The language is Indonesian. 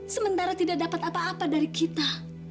sementara tidak dapat apa apa dari kita